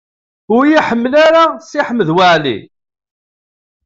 Ur iyi-ḥemmel ara Si Ḥmed Waɛli.